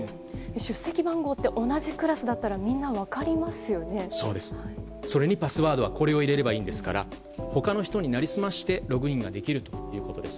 出席番号って同じクラスだったらそれにパスワードはこれを入れればいいんですから他の人に成り済ましてログインができるということです。